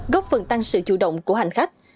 góp phần tăng sự chủ động của hành khách